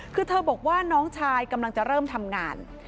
คือเธอบอกว่าน้องชายกำลังจะเริ่มทำงาน